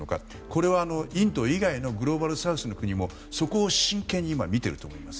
これはインド以外のグローバルサウスの国もそこを真剣に見ていると思います。